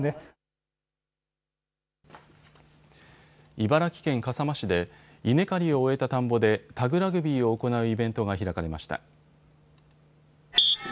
茨城県笠間市で稲刈りを終えた田んぼでタグラグビーを行うイベントが開かれました。